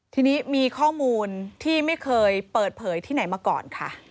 ทีนี้มีข้อมูลที่ไม่เคยเปิดเผยที่ไหนมาก่อนค่ะ